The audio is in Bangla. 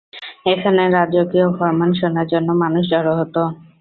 এখানে রাজকীয় ফরমান শোনার জন্য মানুষ জড়ো হত।